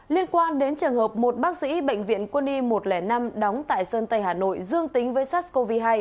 liên quan đến trường hợp một bác sĩ bệnh viện quân y một trăm linh năm đóng tại sơn tây hà nội dương tính với sars cov hai